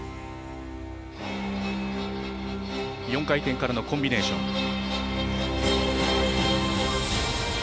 ４回転からのコンビネーション。